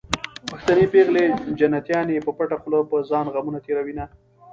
پښتنې پېغلې جنتيانې په پټه خوله په ځان غمونه تېروينه